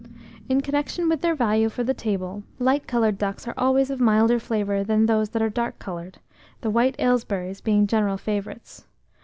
In connection with their value for table, light coloured ducks are always of milder flavour than those that are dark coloured, the white Aylesbury's being general favourites.